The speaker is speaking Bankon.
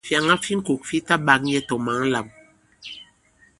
Fyàŋa fi ŋko fi ta ɓak nyɛ tɔ̀ mǎn lām.